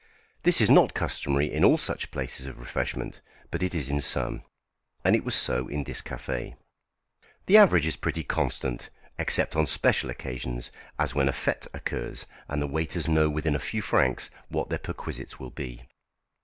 This is not customary in all such places of refreshment, but it is in some, and it was so in this café. The average is pretty constant, except on special occasions, as when a fête occurs; and the waiters know within a few francs what their perquisites will be.